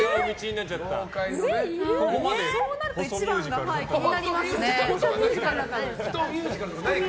そうなると１番が気になりますよね。